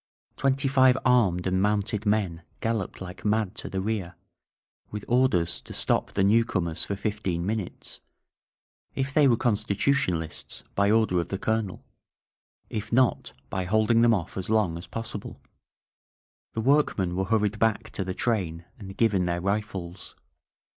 Twenty five armed and mounted men galloped like mad to the rear, with or ders to stop the newcomers for fifteen minutes, — ^if they were Constitutionalists, by order of the Colonel; if not, by holding them off as long as possible. The workmen were hurried back to the train and given their rifles.